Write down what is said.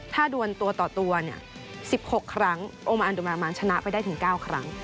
ถ้าดวนตัวต่อตัว๑๖ครั้งโอมาอันดุมานชนะไปได้ถึง๙ครั้ง